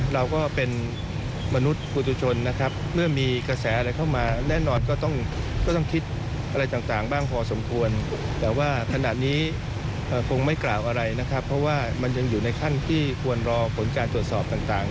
รอผลการตรวจสอบต่าง